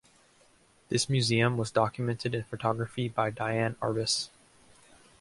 This museum was documented in photography by Diane Arbus.